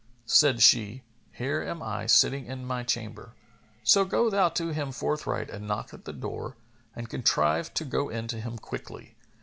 Said she, "Here am I sitting in my chamber; so go thou to him forthright and knock at the door and contrive to go in to him quickly.